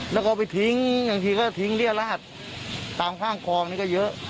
แล้วก็ไปทิ้งบางทีก็ทิ้งเรียดรหัสตามข้างคลองนี่ก็เยอะ